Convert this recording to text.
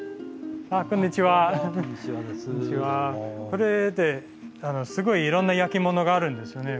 これってすごいいろんな焼き物があるんですね。